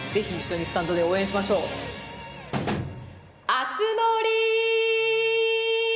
熱盛！